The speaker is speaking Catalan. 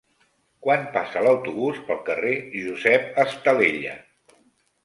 Quan passa l'autobús pel carrer Josep Estalella?